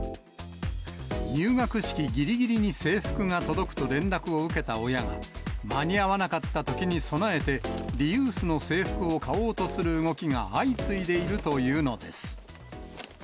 入学式ぎりぎりに制服が届くと連絡を受けた親が、間に合わなかったときに備えて、リユースの制服を買おうとする動きが相次いでいるというのです。